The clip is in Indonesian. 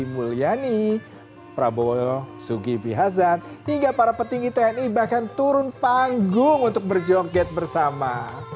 dari mulyani prabowo sugih vihazan hingga para petinggi tni bahkan turun panggung untuk berjoget bersama